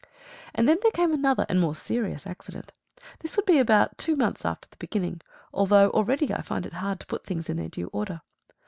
And then there came another and a more serious accident. This would be about two months after the beginning, though already I find it hard to put things in their due order.